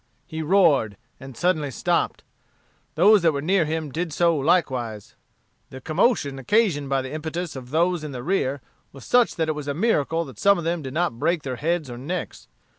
He roared, and suddenly stopped. Those that were near him did so likewise. The commotion occasioned by the impetus of those in the rear was such that it was a miracle that some of them did not break their heads or necks.